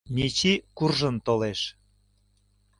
Мичи куржын толеш.